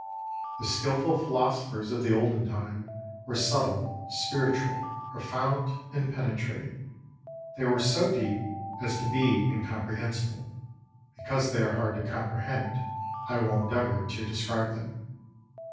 The skilful philosophers of the olden time were subtle, spiritual, profound, and penetrating. They were so deep as to be incomprehensible. Because they are hard to comprehend, I will endeavour to describe them.